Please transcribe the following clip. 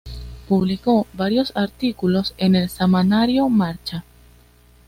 Publicó varios artículos en el semanario Marcha.